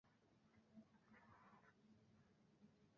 এটা হয়তো একই সময়ে দুই হাত দিয়ে শিকার ধরার ক্ষমতাকে ব্যবহার করেছিল।